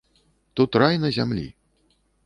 Тут рай на зямлі.